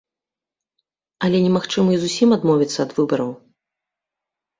Але немагчыма і зусім адмовіцца ад выбараў.